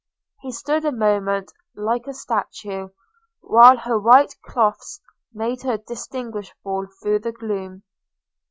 – he stood a moment like a statue, while her white cloaths made her distinguishable through the gloom.